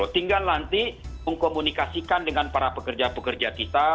tinggal nanti mengkomunikasikan dengan para pekerja pekerja kita